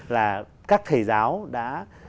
là các thầy giáo đã